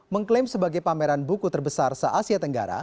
mengklaim sebagai pameran buku terbesar se asia tenggara